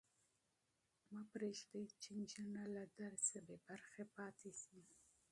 مه پرېږدئ چې نجونې له تعلیمه بې برخې پاتې شي.